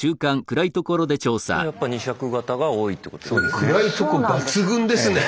やっぱ２色型が多いってことですね。